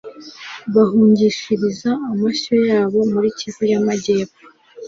bahungishiriza amashyo yabo muri Kivu y'Amajyepfo.